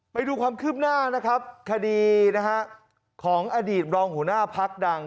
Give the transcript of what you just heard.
ไปดูความขึ้มหน้าคดีของอดีตรองหุหน้าภักษ์ดัง